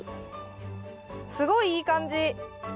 すごいいい感じ。